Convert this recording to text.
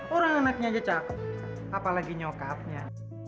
orang anaknya aja cakep apalagi nyokapnya